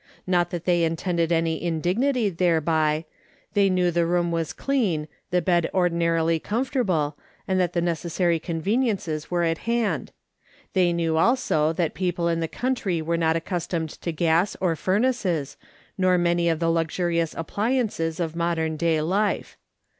Not that they intended any indignity thereby ; they knew the room was clean, the bed ordinarily comfortable, and that the necessary conveniences were at hand ; they knew, also, that people in the country were not accustomed to gas or furnaces, nor many of the luxurious appliances of modern city life.